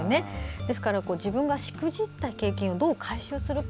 ですから自分がしくじった経験をどう回収するか。